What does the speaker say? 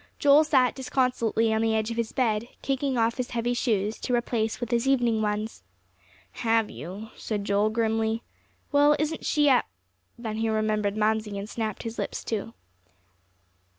Joel sat disconsolately on the edge of his bed, kicking off his heavy shoes, to replace with his evening ones. "Have you?" said Joel grimly. "Well, isn't she a " then he remembered Mamsie, and snapped his lips to.